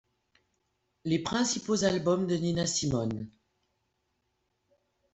Les principaux albums de Nina Simone.